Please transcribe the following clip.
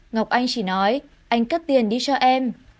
ngọc anh chỉ nói anh cắt tiền đi cho em